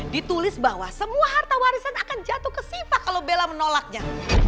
ditulis bahwa semua harta warisan akan jatuh ke siva kalau bella menolaknya